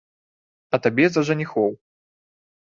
А табе за жаніхоў.